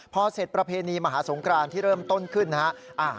พอเสร็จประเพณีมหาสงครานที่เริ่มต้นขึ้นนะครับ